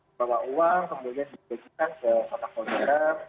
membawa uang kemudian dibagikan ke kota kota daerah